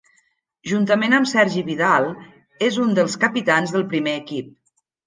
Juntament amb Sergi Vidal, és un dels capitans del primer equip.